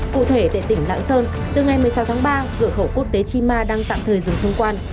cụ thể tại tỉnh lạng sơn từ ngày một mươi sáu tháng ba cửa khẩu quốc tế chima đang tạm thời dừng thông quan